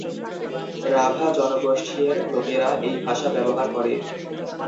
রাভা জনগোষ্ঠী-এর লোকেরা এই ভাষা ব্যবহার করে।